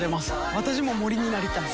私も森になりたい。